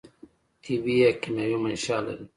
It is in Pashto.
طبي یا کیمیاوي منشأ لري.